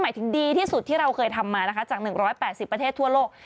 หมายถึงดีที่สุดที่เราเคยทำมานะคะจาก๑๘๐ประเทศทั่วโลก